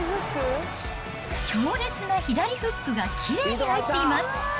強烈な左フックがきれいに入っています。